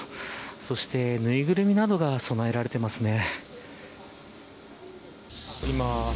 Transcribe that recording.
そしてぬいぐるみなどが供えられていますね。